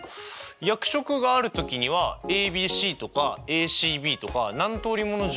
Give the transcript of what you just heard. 役職がある時にはＡＢＣとかＡＣＢとか何通りもの順列があるんですよね。